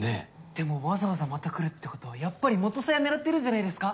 でもわざわざまた来るってことはやっぱり元サヤ狙ってるんじゃないですか？